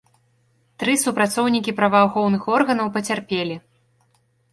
Тры супрацоўнікі праваахоўных органаў пацярпелі.